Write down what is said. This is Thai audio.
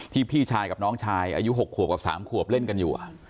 พี่ชายกับน้องชายอายุ๖ขวบกับ๓ขวบเล่นกันอยู่